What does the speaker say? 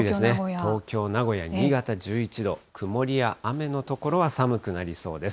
東京、名古屋、新潟１１度、曇りや雨の所は寒くなりそうです。